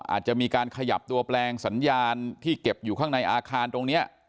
อาจจะมีการขยับตัวแปลงสัญญาณที่เก็บอยู่ข้างในอาคารตรงนี้